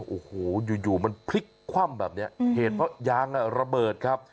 โอ้โหอยู่มันพลิกคว่ำแบบนี้เหตุเพราะยางระเบิดครับ